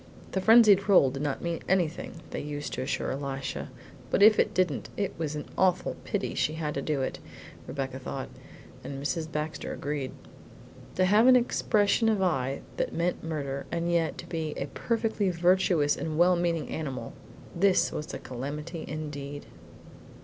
The frenzied roll did not mean anything, they used to assure Elisha; but if it didn't, it was an awful pity she had to do it, Rebecca thought; and Mrs. Baxter agreed. To have an expression of eye that meant murder, and yet to be a perfectly virtuous and well meaning animal, this was a calamity indeed.